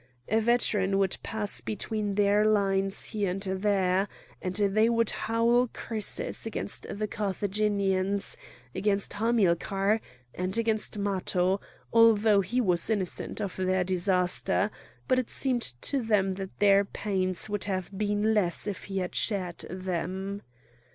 A veteran would pass between their lines here and there; and they would howl curses against the Carthaginians, against Hamilcar, and against Matho, although he was innocent of their disaster; but it seemed to them that their pains would have been less if he had shared them.